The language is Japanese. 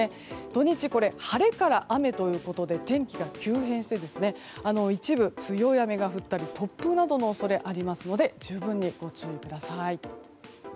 土日、晴れから雨ということで天気が急変して一部、強い雨が降ったり突風などの恐れがありますので十分にご注意ください。